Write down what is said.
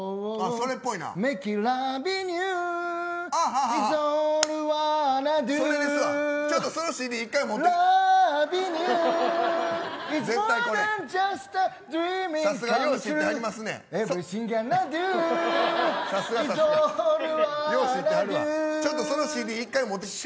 それですわ、ちょっとそのＣＤ、１回持ってきて。